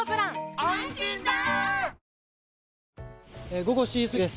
午後７時過ぎです。